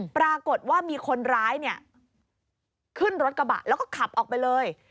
ปรากฏว่ามีคนร้ายเนี่ยขึ้นรถกระบะแล้วก็ขับออกไปเลย